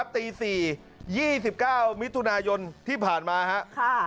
ตี๔๒๙มิถุนายนที่ผ่านมาครับ